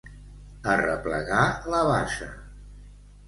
Arreplegar la basa.